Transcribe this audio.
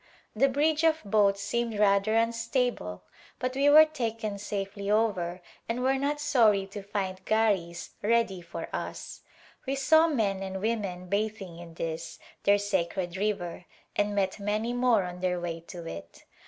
The bridge of boats seemed rather unstable but we were taken safely over and were not sorn to find garh ready for us. We saw men and women bathing in this, their sacred river, and met many more on their way to it.